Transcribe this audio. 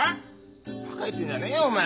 バカ言ってんじゃねえよお前。